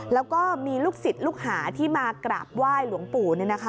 แล้วก็มีลูกศิษย์ลูกหาที่มากราบไหว้หลวงปู่